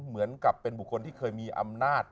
เหมือนกับเป็นบุคคลที่เคยมีอำนาจ